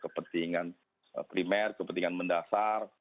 kepentingan primer kepentingan mendasar